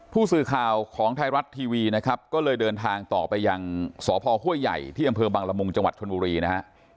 ผู้สื่อข่าวของไทยรัฐทีวีนะครับก็เลยเดินทางต่อไปยังสพห้วยใหญ่ที่อำเภอบังละมุงจังหวัดชนบุรีนะฮะ